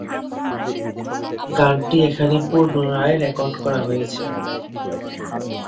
গানটি এখানে পুনরায় রেকর্ড করা হয়েছে।